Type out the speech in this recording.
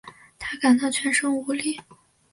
她感到全身无力